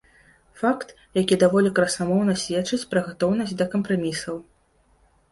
Факт, які даволі красамоўна сведчыць пра гатоўнасць да кампрамісаў.